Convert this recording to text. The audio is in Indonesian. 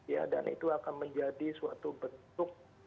ya dan itu akan menjadi suatu bentuk